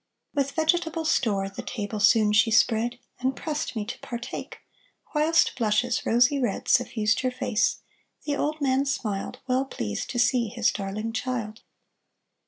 With vegetable store The table soon she spread, And pressed me to partake; Whilst blushes rosy red Suffused her face The old man smiled, Well pleased to see His darling child.